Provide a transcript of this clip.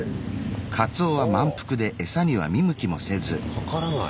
かからない。